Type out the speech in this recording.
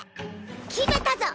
決めたぞ